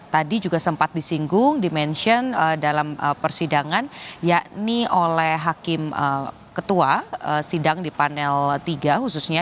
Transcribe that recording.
tadi juga sempat disinggung dimention dalam persidangan yakni oleh hakim ketua sidang di panel tiga khususnya